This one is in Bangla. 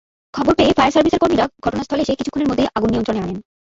খবর পেয়ে ফায়ার সার্ভিসের কর্মীরা ঘটনাস্থলে এসে কিছুক্ষণের মধ্যেই আগুন নিয়ন্ত্রণে আনেন।